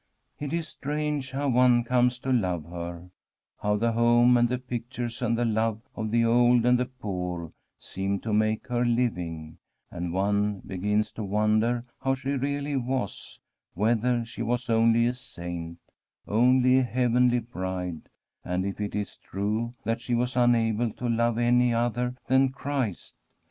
' It is strange how one comes to love her, how the home and the pictures and the love of the old and the poor seem to make her living, and one begins to wonder how she really was, whether she was only a saint, only a heavenly bride, and if it is true that she was unable to love any other than Christ.